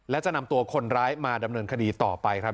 และจะนำตัวคนร้ายมาดำเนินคดีต่อไปครับ